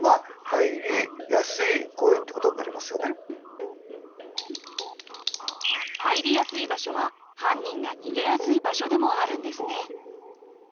入りやすい場所は犯人が逃げやすい場所でもあるんですね。